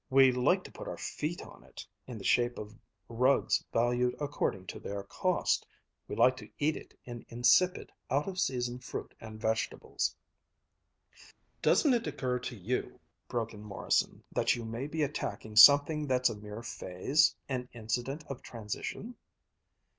We like to put our feet on it, in the shape of rugs valued according to their cost, we like to eat it in insipid, out of season fruit and vegetables." "Doesn't it occur to you," broke in Morrison, "that you may be attacking something that's a mere phase, an incident of transition?"